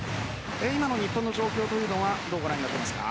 今の日本の状況というのはどうご覧になっていますか？